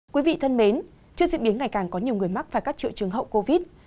quý vị thân mến trước diễn biến ngày càng có nhiều người mắc và các triệu chứng hậu covid